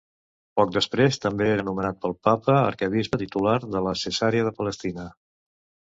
Poc després també era nomenat pel papa arquebisbe titular de Cesarea de Palestina.